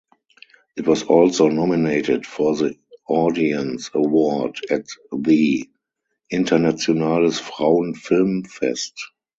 It was also nominated for the Audience Award at the Internationales Frauen Film Fest.